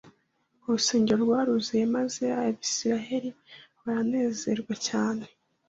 urusengero rwaruzuye maze Abisirayeli baranezerwa cyane